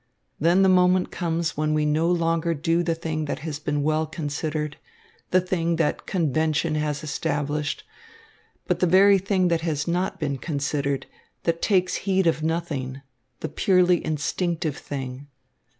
Then the moment comes when we no longer do the thing that has been well considered, the thing that convention has established, but the very thing that has not been considered, that takes heed of nothing, the purely instinctive thing.